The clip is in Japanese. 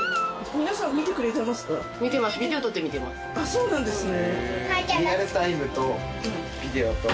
そうなんですね。